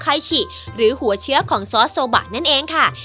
คลัยหรือหัวเชื้อของซอสนั่นเองค่ะ